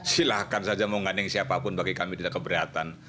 silahkan saja mengganding siapapun bagi kami tidak keberatan